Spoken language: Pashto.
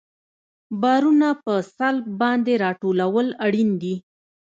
بارونه په سلب باندې راټولول اړین دي